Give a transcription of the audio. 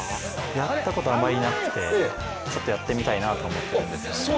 やったことあまりなくてちょっとやってみたいなと思ってるんですが。